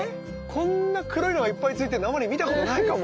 こんな黒いのがいっぱいついてるのあんまり見たことないかも。